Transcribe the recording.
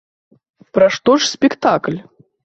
Пра што ж спектакль?